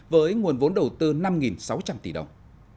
với nguồn vốn đầu tư năm sáu trăm linh tỷ đồng